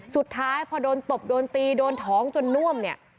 สุดท้ายพอโดนตบโดนตีโดนท้องจนน่วมเนี่ย